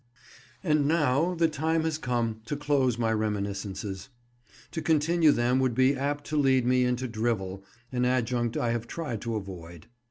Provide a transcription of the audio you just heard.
And now the time has come to close my reminiscences. To continue them would be apt to lead me into drivel, an adjunct I have tried to avoid.